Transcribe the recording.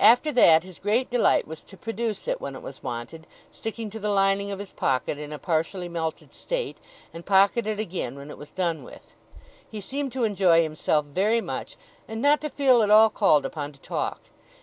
After that, his great delight was to produce it when it was wanted, sticking to the lining of his pocket, in a partially melted state, and pocket it again when it was done with. He seemed to enjoy himself very much, and not to feel at all called upon to talk.